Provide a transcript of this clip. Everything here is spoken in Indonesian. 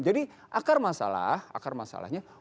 jadi akar masalah akar masalahnya bukan pada persoalan perusahaan